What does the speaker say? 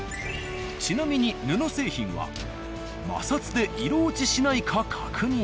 ちなみに布製品は摩擦で色落ちしないか確認。